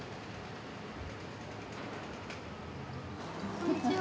こんにちは！